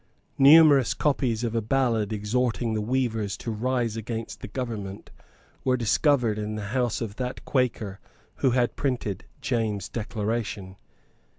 Numerous copies of a ballad exhorting the weavers to rise against the government were discovered in the house of that Quaker who had printed James's Declaration.